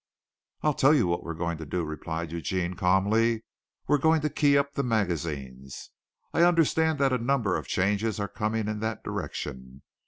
"I'll tell you what we are going to do," replied Eugene calmly, "we're going to key up the magazines. I understand that a number of changes are coming in that direction.